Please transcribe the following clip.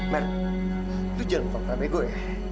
mer lo jangan lupa prabe gue